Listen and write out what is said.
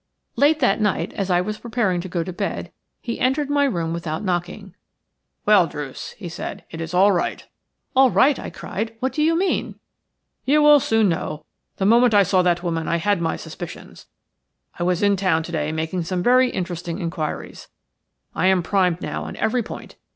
Late that night, as I was preparing to go to bed, he entered my room without knocking. "Well, Druce," he said, "it is all right." "All right!" I cried; "what do you mean?" "You will soon know. The moment I saw that woman I had my suspicions. I was in town to day making some very interesting inquiries. I am primed now on every point.